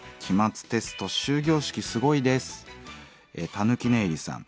たぬき寝入りさん。